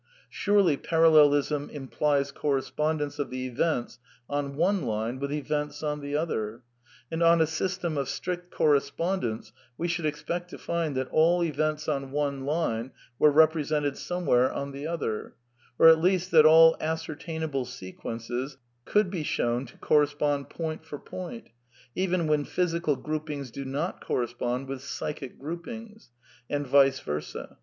Surely Parallelism implies correspondence of the events on one line with events on the other. And on a system of strict correspondence we should expect to find that all events on one line were represented somewhere on the other, or at least that all ascertainable sequences could be shown to correspond point for point; even when physical group ings do not correspond with psychic groupings, and vice versa.